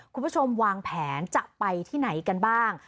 คุณผู้ชมวางแผนจะไปที่ไหนกันบ้าง